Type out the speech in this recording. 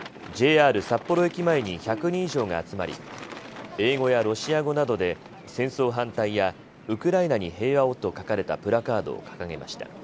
ＪＲ札幌駅前に１００人以上が集まり英語やロシア語などで戦争反対やウクライナに平和をと書かれたプラカードを掲げました。